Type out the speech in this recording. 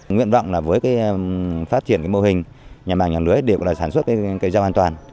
nguyện đoạn là với phát triển mô hình nhà màng nhà lưới để sản xuất rau an toàn